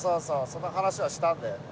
その話はしたんだよね。